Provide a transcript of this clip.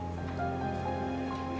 aku juga sedih banget